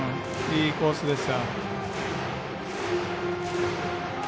いいコースでした。